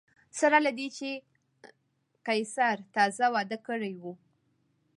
سره له دې چې قیصر تازه واده کړی و